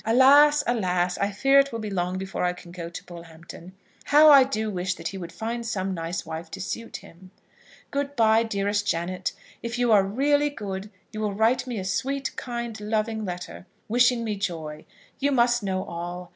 Alas, alas! I fear it will be long before I can go to Bullhampton. How I do wish that he would find some nice wife to suit him! Good bye, dearest Janet. If you are really good, you will write me a sweet, kind, loving letter, wishing me joy. You must know all.